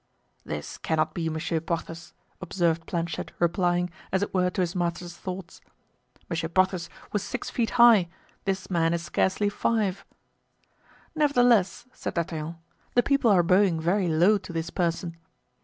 "This cannot be Monsieur Porthos," observed Planchet replying, as it were, to his master's thoughts. "Monsieur Porthos was six feet high; this man is scarcely five." "Nevertheless," said D'Artagnan, "the people are bowing very low to this person."